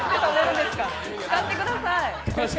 使ってください！